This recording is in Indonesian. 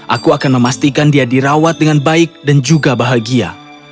aku akan memastikan dia dirawat dengan baik dan juga bahagia